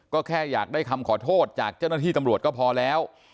ก็แค่อยากได้คำขอโทษจากเจ้าหน้าที่ตำรวจก็พอแล้ว